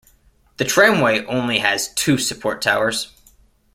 The tramway only has two support towers.